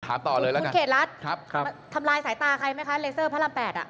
คุณเขตรัฐทำลายสายตาใครไหมคะเลเซอร์พระรำ๘